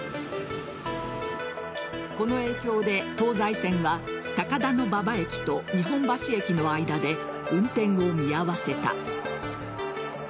この影響で、東西線は高田馬場駅と日本橋駅の間で運転を見合わせた。